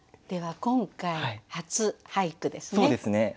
では今回初俳句ですね。